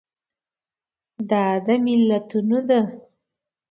دا د ملتونو ده.